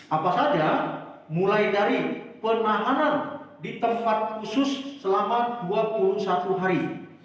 apa saja mulai dari penahanan di tempat khusus selama dua puluh satu hari